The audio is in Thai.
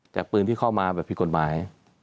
จากปืนที่เข้ามาแบบผิดกฎหมาย